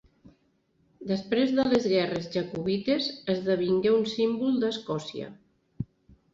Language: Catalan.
Després de les Guerres jacobites esdevingué un símbol d'Escòcia.